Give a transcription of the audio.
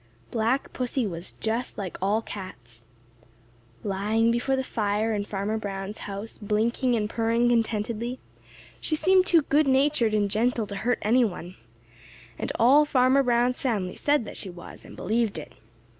Black Pussy was just like all cats. Lying before the fire in Farmer Brown's house, blinking and purring contentedly, she seemed too good natured and gentle to hurt any one, and all Farmer Brown's family said that she was and believed it.